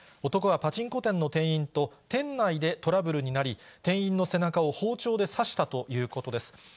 男はパチンコ店の店員と店内でトラブルになり、店員の背中を包丁で刺したということです。